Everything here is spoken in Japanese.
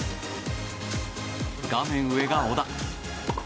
画面上が小田。